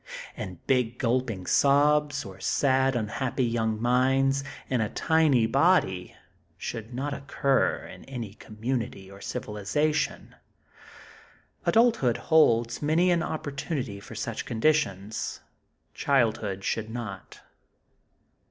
And big, gulping sobs, or sad, unhappy young minds, in a tiny body should not occur in any community of civilization. Adulthood holds many an opportunity for such conditions. Childhood should not.